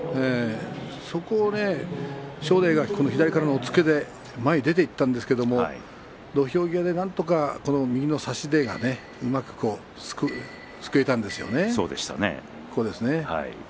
そこを正代が左からの押っつけで前に出ていったんですけれども土俵際でなんとか右の差し手がね、うまくすくえたんですよね。